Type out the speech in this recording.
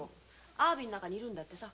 アワビの中にいるんだってさ。